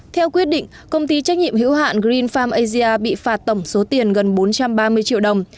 theo quyết định công ty trách nhiệm hữu hạn green farm asia bị phạt tổng số tiền gần bốn trăm ba mươi triệu đồng